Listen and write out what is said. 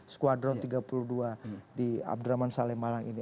skwadron tiga puluh dua di abdurrahman s m